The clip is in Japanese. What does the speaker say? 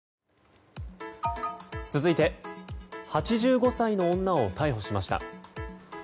続いて８５歳の女を逮捕しました。